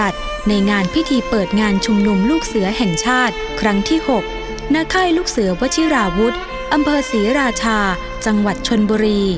สวัสดีครับ